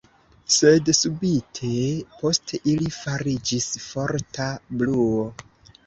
Sed subite post ili fariĝis forta bruo.